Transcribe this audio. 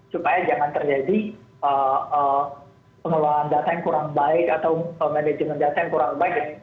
supaya jangan terjadi pengelolaan data yang kurang baik atau manajemen data yang kurang baik